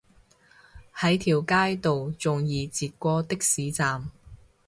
喺條街度仲易截過的士站